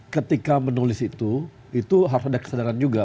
ketika menulis itu itu harus ada kesadaran juga